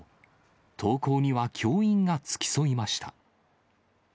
登校には教員が付き添いました。